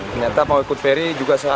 ternyata mau ikut peri juga sangat mudah